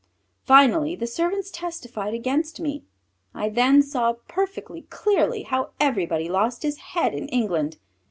Finally the servants testified against me. I then saw perfectly clearly how everybody lost his head in England.